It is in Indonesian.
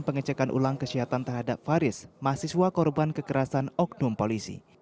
pengecekan ulang kesehatan terhadap faris mahasiswa korban kekerasan oknum polisi